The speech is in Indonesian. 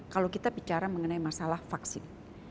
kalau kita bicara mengenai masalah vaksin